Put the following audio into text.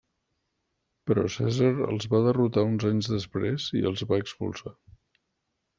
Però Cèsar els va derrotar uns anys després i els va expulsar.